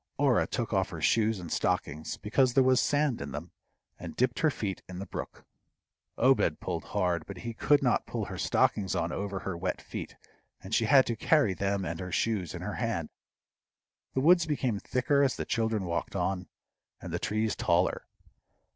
Orah took off her shoes and stockings, because there was sand in them, and dipped her feet in the brook. Obed pulled hard, but he could not pull her stockings on over her wet feet, and she had to carry them and her shoes in her hand. The woods became thicker as the children walked on, and the trees taller.